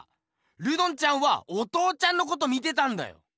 ルドンちゃんはお父ちゃんのこと見てたんだよ！